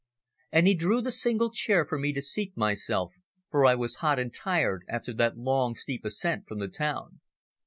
And he drew the single chair for me to seat myself, for I was hot and tired after that long, steep ascent from the town.